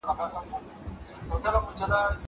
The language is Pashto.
کېدای سي تکړښت سخت وي!